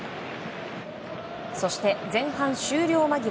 そして、前半終了間際。